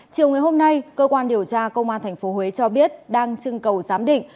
chiều ngày hôm nay cơ quan điều tra công an tp huế cho biết đang chưng cầu giám định